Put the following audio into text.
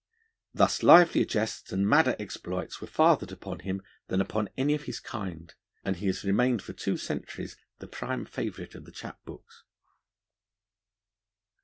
Thus livelier jests and madder exploits were fathered upon him than upon any of his kind, and he has remained for two centuries the prime favourite of the chap books.